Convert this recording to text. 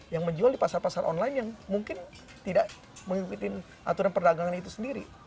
yang menjual di pasar pasar online yang mungkin tidak mengikuti aturan perdagangan itu sendiri